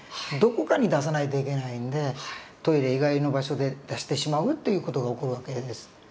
どこかに出さないといけないんでトイレ以外の場所で出してしまうっていう事が起こる訳です。